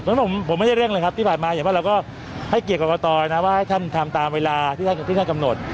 เพราะฉะนั้นผมไม่ได้เร่งเลยครับที่ผ่านมาอย่างว่าเราก็ให้เกียรติกรกตนะว่าให้ท่านทำตามเวลาที่ท่านกำหนด